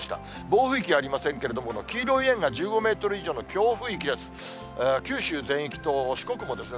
暴風域ありませんけれども、黄色い円が１５メートル以上の強風域です。